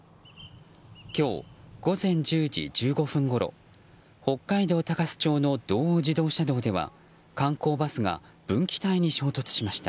今日、午前１０時１５分ごろ北海道鷹栖町の道央自動車道では観光バスが分岐帯に衝突しました。